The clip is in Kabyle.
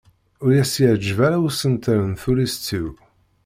Ur as-yeɛǧib ara usentel n tullist-iw.